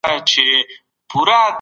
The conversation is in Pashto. د څېړنې هره مرحله یوه ځانګړې پروسه لري.